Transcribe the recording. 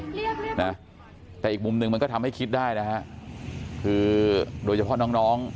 เรียกนะแต่อีกมุมหนึ่งมันก็ทำให้คิดได้นะฮะคือโดยเฉพาะน้องน้อง